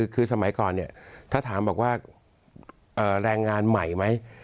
คือสมัยก่อนถ้าถามว่าแรงงานใหม่ไหม